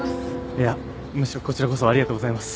いやむしろこちらこそありがとうございます。